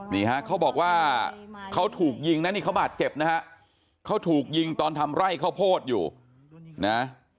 นี่ฮะเขาบอกว่าเขาถูกยิงนะนี่เขาบาดเจ็บนะฮะเขาถูกยิงตอนทำไร่ข้าวโพดอยู่นะ